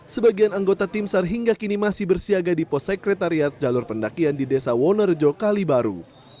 sebagian anggota tim sar hingga kini masih bersiaga di pos sekretariat jalur pendakian di desa wonorejo kalibaru